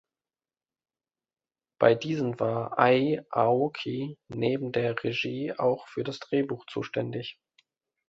Bei diesen war Ei Aoki neben der Regie auch für das Drehbuch zuständig.